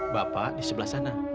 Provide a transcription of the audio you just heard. bapak disebelah sana